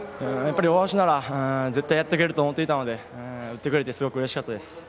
大橋なら絶対やってくれると思っていたので打ってくれてすごくうれしかったです。